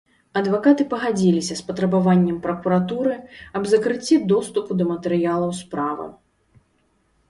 Адвакаты пагадзіліся з патрабаваннем пракуратуры аб закрыцці доступу да матэрыялаў справы.